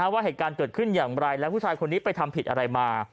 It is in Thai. ว่าเหตุการณ์เกิดขึ้นอย่างไรและผู้ชายคนนี้ไปทำผิดอะไรมา